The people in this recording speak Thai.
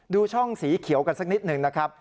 ดูช่องสีเขียวกันสักนิดหนึ่งนะครับ